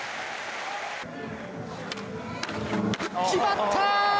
決まった！